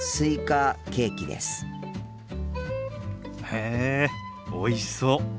へえおいしそう。